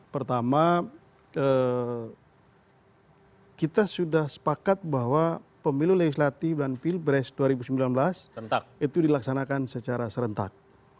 pertama kita sudah sepakat bahwa pemilu legislatif dan pilpres dua ribu sembilan belas itu dilaksanakan secara serentak